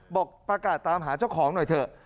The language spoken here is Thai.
บอกประกาศตามหาเจ้าของหน่อยเถอะ